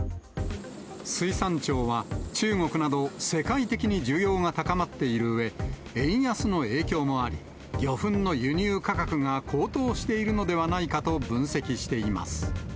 水産庁は、中国など世界的に需要が高まっているうえ、円安の影響もあり、魚粉の輸入価格が高騰しているのではないかと分析しています。